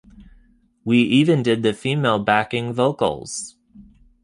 We even did the female backing vocals.